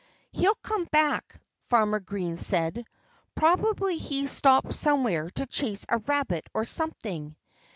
"He'll come back," Farmer Green said. "Probably he's stopped somewhere to chase a rabbit or something.